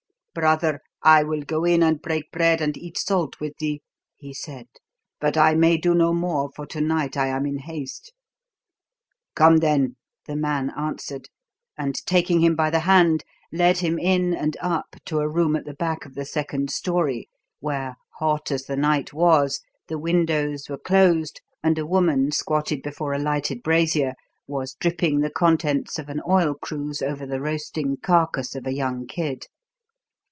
"Brother, I will go in and break bread and eat salt with thee," he said. "But I may do no more, for to night I am in haste." "Come then," the man answered; and taking him by the hand, led him in and up to a room at the back of the second storey, where, hot as the night was, the windows were closed and a woman squatted before a lighted brasier, was dripping the contents of an oil cruse over the roasting carcass of a young kid.